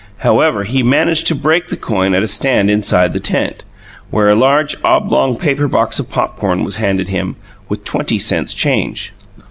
However, he managed to "break" the coin at a stand inside the tent, where a large, oblong paper box of popcorn was handed him, with twenty cents change.